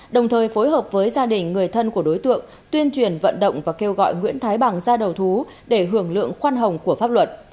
đồng thời phối hợp với gia đình người thân của đối tượng tuyên truyền vận động và kêu gọi nguyễn thái bằng ra đầu thú để hưởng lượng khoan hồng của pháp luật